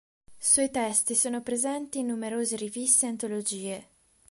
Suoi testi sono presenti in numerose riviste e antologie.